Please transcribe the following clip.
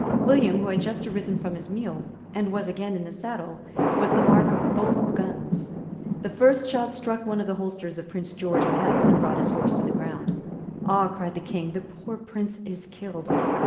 William, who had just risen from his meal, and was again in the saddle, was the mark of both guns. The first shot struck one of the holsters of Prince George of Hesse, and brought his horse to the ground. "Ah!" cried the King; "the poor Prince is killed."